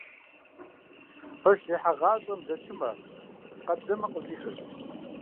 Пэш зехьагъащӏэм лэчымэ, къабзэмэ къыщӏихырт.